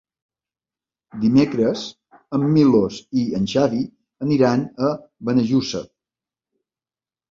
Dimecres en Milos i en Xavi aniran a Benejússer.